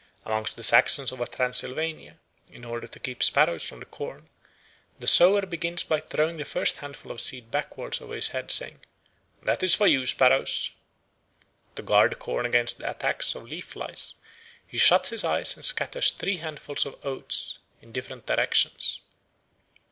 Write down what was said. Amongst the Saxons of Transylvania, in order to keep sparrows from the corn, the sower begins by throwing the first handful of seed backwards over his head, saying, "That is for you, sparrows." To guard the corn against the attacks of leaf flies he shuts his eyes and scatters three handfuls of oats in different directions.